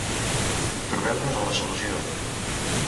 Trobem-nos en la solució.